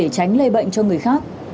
tránh lây bệnh cho người khác